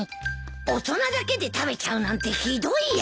大人だけで食べちゃうなんてひどいや！